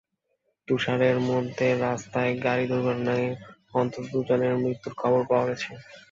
তুষারের মধ্যে রাস্তায় গাড়ি দুর্ঘটনায় অন্তত দুজনের মৃত্যুর খবর পাওয়া গেছে।